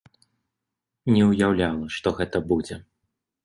Не ўяўляла, што гэта будзе.